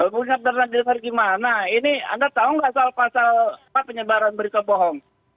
bagaimana anda tahu tidak soal pasal penyebaran berita bohong